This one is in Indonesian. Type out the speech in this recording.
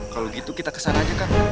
kalau gitu kita kesana aja kak